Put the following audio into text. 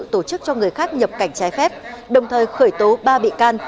tổ chức cho người khác nhập cảnh trái phép đồng thời khởi tố ba bị can